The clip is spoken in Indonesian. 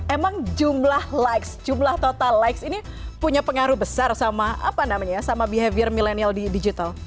emang jumlah likes jumlah total likes ini punya pengaruh besar sama behavior millennial digital